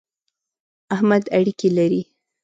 احمد اړېکی لري.